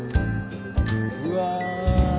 うわ。